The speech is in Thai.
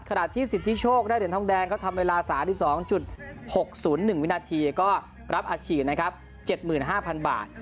ขณะที่สิทธิโชคได้เหรียญทองแดงเขาทำเวลา๓๒๖๐๑วินาทีก็รับอาชีพนะครับ๗๕๐๐บาท